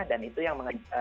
dan itu yang mengejutkan